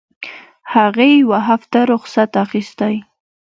هغې يوه هفته رخصت اخيستى.